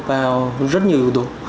vào rất nhiều yếu tố